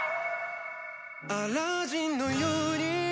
「アラジンのように」